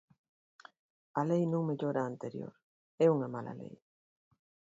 A lei non mellora a anterior, é unha mala lei.